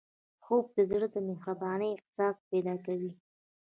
خوب د زړه د مهربانۍ احساس پیدا کوي